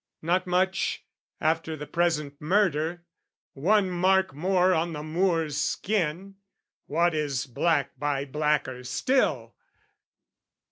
Not much, After the present murder, one mark more On the Moor's skin, what is black by blacker still?